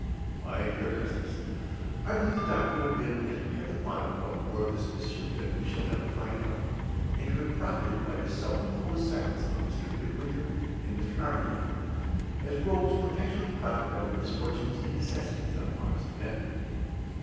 My dear Augustus, I believe the doctor to have been at the bottom of more of this mischief than we shall ever find out; and to have profited by the self imposed silence of Mr. Midwinter and Mr. Armadale, as rogues perpetually profit by the misfortunes and necessities of honest men.